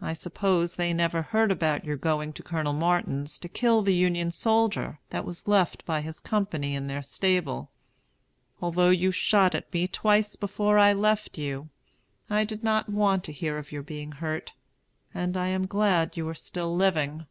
I suppose they never heard about your going to Colonel Martin's to kill the Union soldier that was left by his company in their stable. Although you shot at me twice before I left you, I did not want to hear of your being hurt, and am glad you are still living.